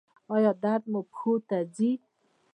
ایا درد مو پښو ته ځي؟